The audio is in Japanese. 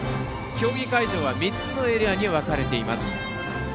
競技会場は３つのエリアに分かれています。